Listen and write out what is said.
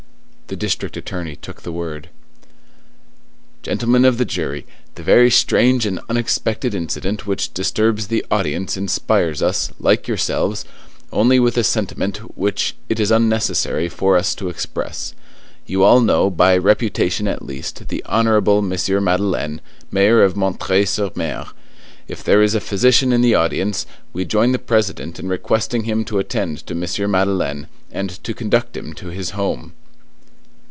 The district attorney took the word:— "Gentlemen of the jury, the very strange and unexpected incident which disturbs the audience inspires us, like yourselves, only with a sentiment which it is unnecessary for us to express. You all know, by reputation at least, the honorable M. Madeleine, mayor of M. sur M.; if there is a physician in the audience, we join the President in requesting him to attend to M. Madeleine, and to conduct him to his home."